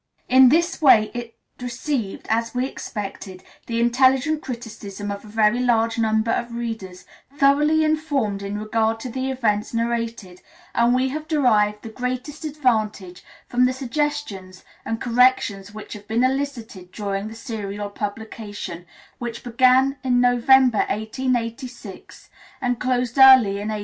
In this way it received, as we expected, the intelligent criticism of a very large number of readers, thoroughly informed in regard to the events narrated, and we have derived the greatest advantage from the suggestions and corrections which have been elicited during the serial publication, which began in November, 1886, and closed early in 1890.